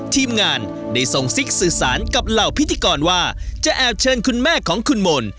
ทีมงานได้ส่งซิกสื่อสารกับเหล่าพิธีกรว่าจะแอบเชิญคุณแม่ของคุณมนต์